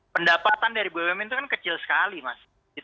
pendapatan dari bum ini kan kecil sekali mas